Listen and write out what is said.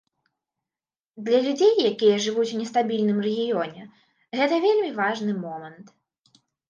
Для людзей, якія жывуць у нестабільным рэгіёне, гэта вельмі важны момант.